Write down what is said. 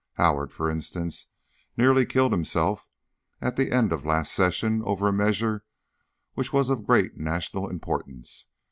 Howard, for instance, nearly killed himself at the end of last session over a measure which was of great national importance.